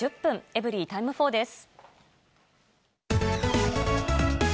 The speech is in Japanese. エブリィタイム４です。